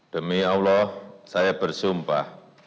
demi allah saya bersumpah